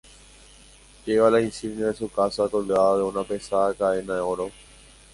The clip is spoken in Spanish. Lleva la insignia de su casa colgada de una pesada cadena de oro.